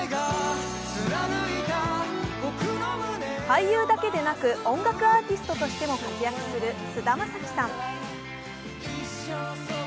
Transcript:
俳優だけでなく音楽アーティストとしても活躍する菅田将暉さん。